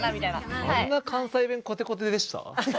あんな関西弁コテコテでした？